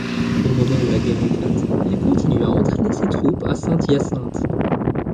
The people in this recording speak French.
Au moment où la guerre éclate, il continue à entraîner ses troupes à Saint-Hyacinthe.